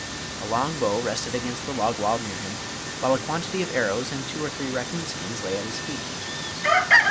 A long bow rested against the log wall near him, while a quantity of arrows and two or three raccoon skins lay at his feet.